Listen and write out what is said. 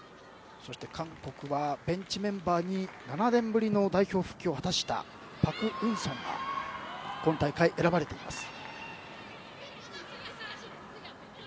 韓国はベンチメンバーに７年ぶりの代表復帰を果たしたパク・ウンソンが今大会、選ばれています。